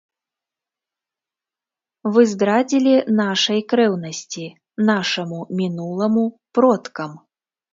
Вы здрадзілі нашай крэўнасці, нашаму мінуламу, продкам!